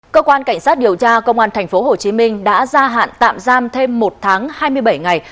cơ quan cảnh sát điều tra công an tp hcm đã ra hạn tạm giam thêm một tháng hai mươi bảy ngày